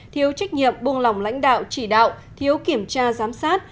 thiếu trách nhiệm buông lỏng lãnh đạo chỉ đạo thiếu kiểm tra giám sát